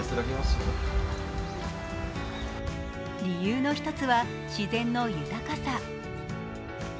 理由の一つは、自然の豊かさ。